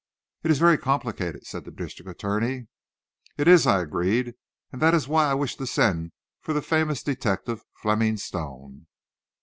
"It is very complicated," said the district attorney. "It is," I agreed, "and that is why I wish to send for the famous detective, Fleming Stone."